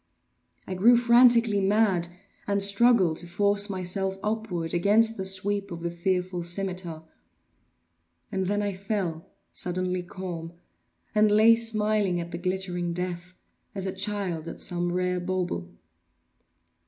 I grew frantically mad, and struggled to force myself upward against the sweep of the fearful scimitar. And then I fell suddenly calm, and lay smiling at the glittering death, as a child at some rare bauble.